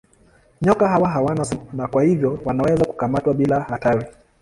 Nyoka hawa hawana sumu na kwa hivyo wanaweza kukamatwa bila hatari.